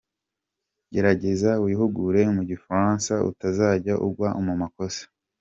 Gerageza wihugure mu gifaransa, utazajya ugwa mu makosa.